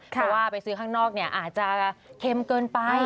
เพราะว่าไปซื้อข้างนอกอาจจะเค็มเกินไป